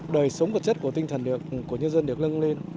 đời sống vật chất của tinh thần của nhân dân được lưng lên